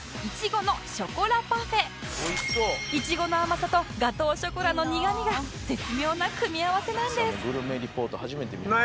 いちごの甘さとガトーショコラの苦みが絶妙な組み合わせなんです